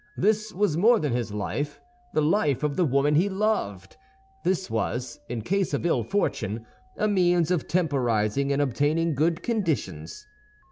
This was more than his life, the life of the woman he loved; this was, in case of ill fortune, a means of temporizing and obtaining good conditions.